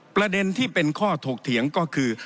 ประเด็นที่เป็นข้อถกเถียงก็คือ